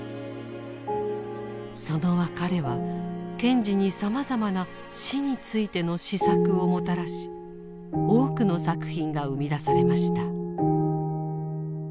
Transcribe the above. その別れは賢治にさまざまな死についての思索をもたらし多くの作品が生み出されました。